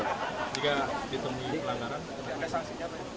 jika ditemui pelanggaran ada sanksinya apa